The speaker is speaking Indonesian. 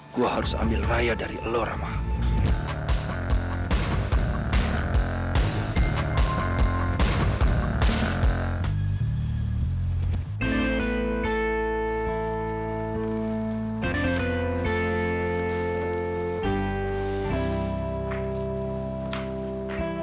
gua harus ambil raya dari lo ramah